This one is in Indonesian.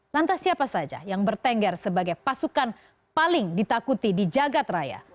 lantas siapa saja yang bertengger sebagai pasukan paling ditakuti di jagad raya